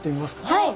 はい！